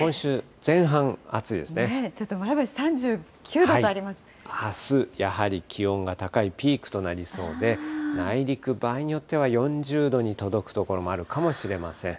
ちょっと前橋３９度とありまあす、やはりきおんが高いピークとなりそうで、内陸、場合によっては４０度に届く所もあるかもしれません。